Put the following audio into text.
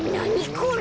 これ。